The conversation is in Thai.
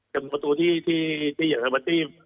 กับประตูที่อย่างเธอบัตตี